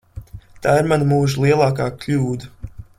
Tā ir mana mūža lielākā kļūda.